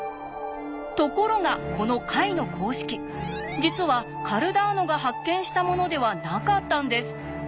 ところがこの解の公式実はカルダーノが発見したものではなかったんです。